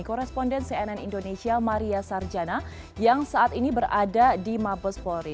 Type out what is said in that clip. koresponden cnn indonesia maria sarjana yang saat ini berada di mabes polri